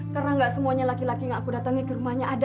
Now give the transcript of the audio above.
karena nggak semuanya laki laki yang aku datangi ke rumahnya ada